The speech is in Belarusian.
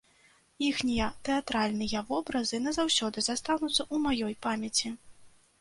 Іхнія тэатральныя вобразы назаўсёды застануцца ў маёй памяці.